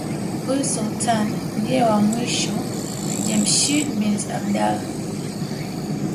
Huyu Sultani ndiye was mwisho Jemshid bin abdalla